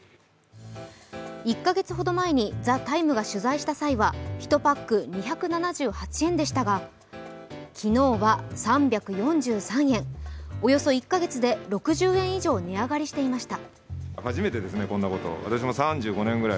１か月ほど前に「ＴＨＥＴＩＭＥ，」が取材した際は１パック２７８円でしたが、昨日は３４３円、およそ１か月で６０円以上値上がりしていました。